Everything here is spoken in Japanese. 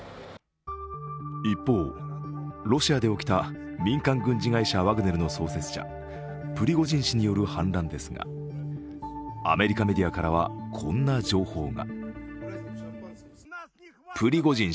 一方、ロシアで起きた民間軍事会社ワグネルの創設者、プリゴジン氏による反乱ですがアメリカメディアからはこんな情報が。